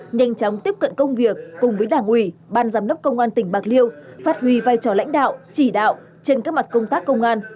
nhanh chóng tiếp cận công việc cùng với đảng ủy ban giám đốc công an tỉnh bạc liêu phát huy vai trò lãnh đạo chỉ đạo trên các mặt công tác công an